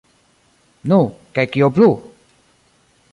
Nu, kaj kio plu?